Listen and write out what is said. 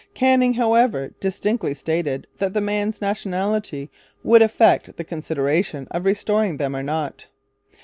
Canning, however, distinctly stated that the men's nationality would affect the consideration of restoring them or not.